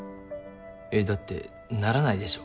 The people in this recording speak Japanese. えっだってならないでしょ